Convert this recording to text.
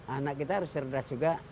anak kita harus cerdas juga